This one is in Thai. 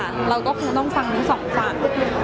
เราก็คงต้องฟังทั้งสองฝั่ง